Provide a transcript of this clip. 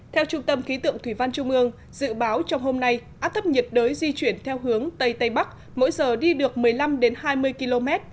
theo trung tâm khí tượng thủy văn trung ương dự báo trong hôm nay áp thấp nhiệt đới di chuyển theo hướng tây tây bắc mỗi giờ đi được một mươi năm hai mươi km